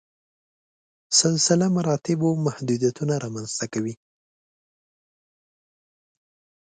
سلسله مراتبو محدودیتونه رامنځته کوي.